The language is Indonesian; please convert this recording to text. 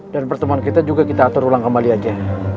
dan pertemuan kita juga kita atur ulang kembali aja